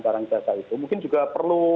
barang jasa itu mungkin juga perlu